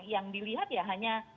yang dilihat ya hanya